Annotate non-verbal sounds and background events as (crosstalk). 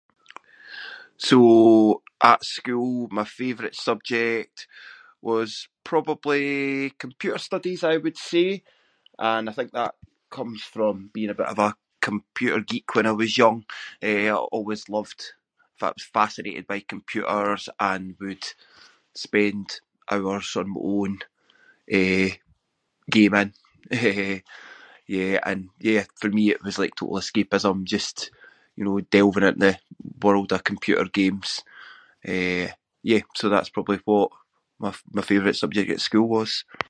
So at school my favourite subject was probably computer studies, I would say. And I think that comes from being a bit of a computer geek when I was young. Eh, I always loved- in fact I was fascinated by computers and would spend hours on my own, eh, gaming. (laughs) Eh, yeah and- yeah, for me it was like total escapism just, you know, delving into the world of computer games. Eh, yeah, so that’s probably what my- my favourite subject at school was.